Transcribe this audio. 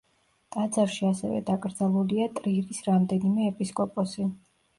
ტაძარში ასევე დაკრძალულია ტრირის რამდენიმე ეპისკოპოსი.